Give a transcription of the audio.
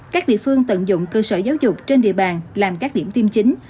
các địa phương tận dụng cơ sở giáo dục trên địa bàn làm các điểm tiêm chính